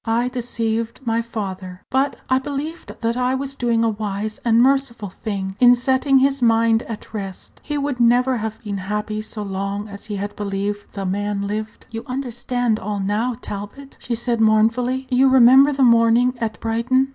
I deceived my father; but I believed that I was doing a wise and merciful thing in setting his mind at rest. He would have never been happy so long as he had believed the man lived. You understand all now, Talbot," she said mournfully. "You remember the morning at Brighton?"